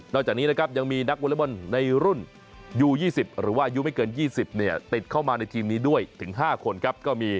จากนี้นะครับยังมีนักวอเล็กบอลในรุ่นยู๒๐หรือว่าอายุไม่เกิน๒๐เนี่ยติดเข้ามาในทีมนี้ด้วยถึง๕คนครับ